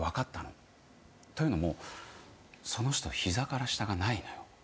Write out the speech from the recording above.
というのもその人膝から下がないのよ。